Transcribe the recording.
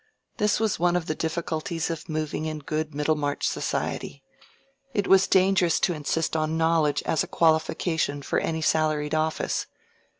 This was one of the difficulties of moving in good Middlemarch society: it was dangerous to insist on knowledge as a qualification for any salaried office.